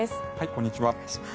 こんにちは。